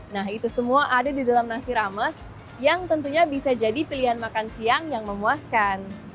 nah itu semua ada di dalam nasi rames yang tentunya bisa jadi pilihan makan siang yang memuaskan